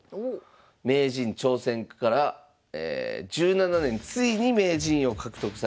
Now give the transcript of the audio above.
名人挑戦から１７年ついに名人位を獲得されました。